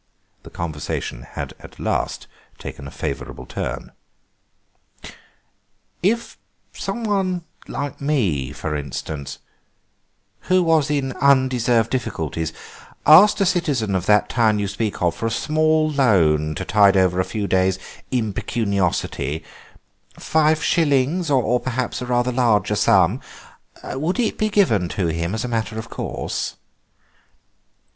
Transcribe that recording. The conversation had at last taken a favourable turn. "If someone, like me, for instance, who was in undeserved difficulties, asked a citizen of that town you speak of for a small loan to tide over a few days' impecuniosity—five shillings, or perhaps a rather larger sum—would it be given to him as a matter of course?"